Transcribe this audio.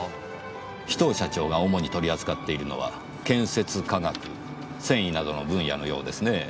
紫藤社長が主に取り扱っているのは建設化学繊維などの分野のようですねぇ。